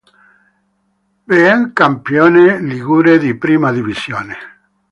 B è campione ligure di Prima Divisione.